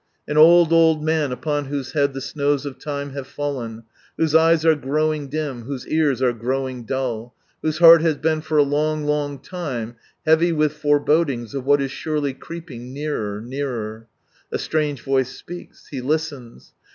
An old, old man, upon whose head the snows of time have fallen, whose eyes are growing dim, whose ears arc growing dull, whose heart has been for a long, long time heavy with forebodings of what is surely creeping nearer, nearer, A Btiange voice speaks. He listens.